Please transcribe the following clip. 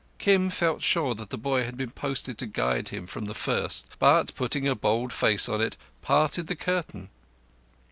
Kim felt sure that the boy had been posted to guide him from the first, but, putting a bold face on it, parted the curtain.